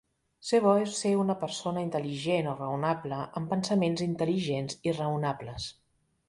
Ser bo és ser una persona intel·ligent o raonable amb pensaments intel·ligents i raonables.